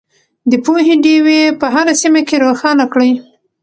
د پوهې ډیوې په هره سیمه کې روښانه کړئ.